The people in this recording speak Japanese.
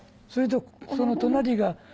それでその隣が。